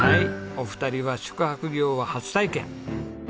お二人は宿泊業は初体験。